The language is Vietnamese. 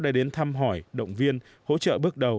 đã đến thăm hỏi động viên hỗ trợ bước đầu